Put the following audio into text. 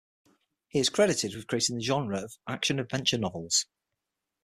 He is credited with creating the genre of action-adventure novels.